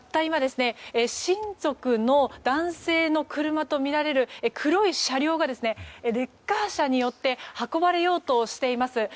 親族の男性の車とみられる黒い車両がレッカー車によって運ばれようとしています。